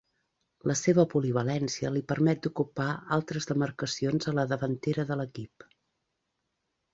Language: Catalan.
La seva polivalència li permet d'ocupar altres demarcacions a la davantera de l'equip.